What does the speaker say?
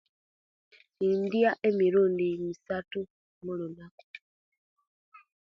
Indiya emirundi misatu olunaku